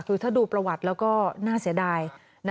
นี่ค่ะถ้าดูประวัติละก็หน้าเสียดาย